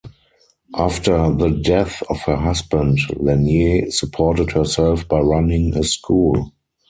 After the death of her husband, Lanier supported herself by running a school.